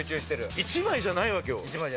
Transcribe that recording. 一枚じゃないわけよ。